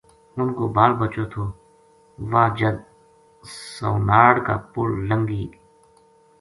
اُنھ کو بال بچو تھو واہ جد ساؤ ناڑ کا پل لنگھی